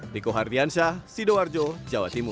diko hardiansyah sido arjo jawa timur